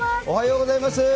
おはようございます。